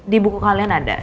di buku kalian ada